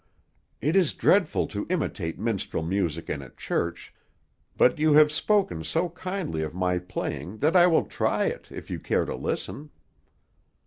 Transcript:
It is dreadful to imitate minstrel music in a church, but you have spoken so kindly of my playing that I will try it, if you care to listen."